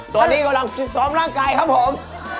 ตอนนี้กำลังฝึกซ้อมร่างกายครับผม